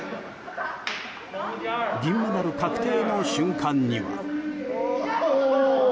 銀メダル確定の瞬間には。